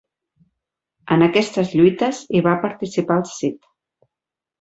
En aquestes lluites hi va participar el Cid.